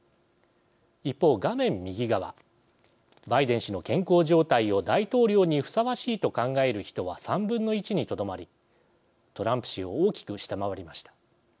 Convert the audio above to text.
一方画面右側バイデン氏の健康状態を大統領にふさわしいと考える人は３分の１にとどまりトランプ氏を大きく下回りました。